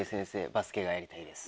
バスケがやりたいです」。